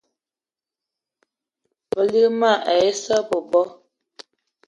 Balig mal ai issa bebo